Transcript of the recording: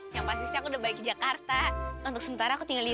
ya tapi kan gak sepetualah